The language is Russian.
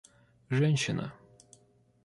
женщина